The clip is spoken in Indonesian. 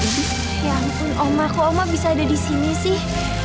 ya ampun oma kok omah bisa ada di sini sih